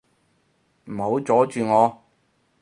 唔好阻住我